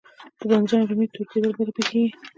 د بانجان رومي تور کیدل ولې پیښیږي؟